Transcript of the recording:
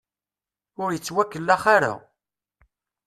Ur ittwakellax ara.